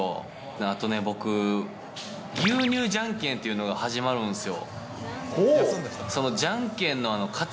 あとね、僕、牛乳じゃんけんというのが始まるんすよ。